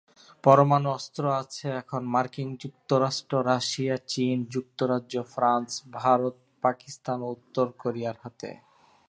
পরমাণু অস্ত্র আছে এখন মার্কিন যুক্তরাষ্ট্র, রাশিয়া, চীন, যুক্তরাজ্য, ফ্রান্স, ভারত, পাকিস্তান ও উত্তর কোরিয়ার হাতে।